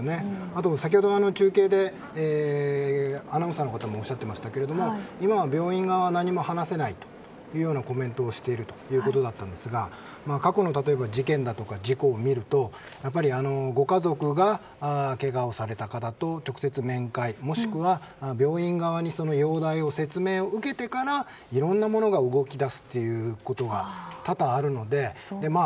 あと先ほど中継でアナウンサーの方もおっしゃっていましたけれども今は、病院側も何も話せないとコメントをしているということだったんですが過去の事件だとか事故を見るとご家族が、けがをされた方と直接面会もしくは病院側に容体を説明を受けてからいろんなものが動き出すということが多々あるので。